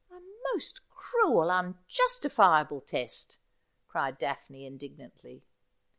'A most cruel, unjustifiable test,' cried Daphne indignantly.